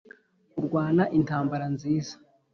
kurwana intambara nziza